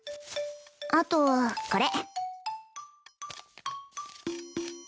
あとはこれ。